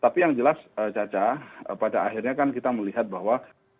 tapi yang jelas caca pada akhirnya kan kita melihat bahwa